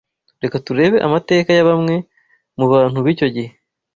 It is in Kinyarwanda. Reka turebe amateka ya bamwe mu bantu b’icyo gihe